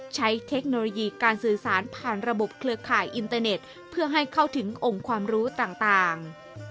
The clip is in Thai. เทคโนโลยีการสื่อสารผ่านระบบเครือข่ายอินเตอร์เน็ตเพื่อให้เข้าถึงองค์ความรู้ต่าง